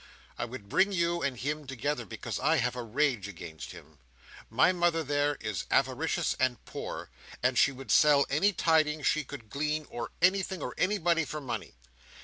I would bring you and him together, because I have a rage against him. My mother there, is avaricious and poor; and she would sell any tidings she could glean, or anything, or anybody, for money.